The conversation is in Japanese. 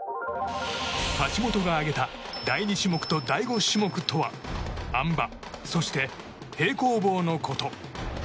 橋本が挙げた第２種目と第５種目とはあん馬、そして平行棒のこと。